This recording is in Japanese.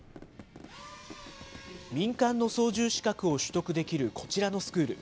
民間の操縦資格を取得できるこちらのスクール。